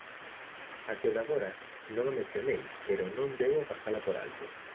Até o de agora non a mencionei, pero non debo pasala por alto.